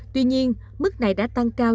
tuy nhiên mức này đã tăng cao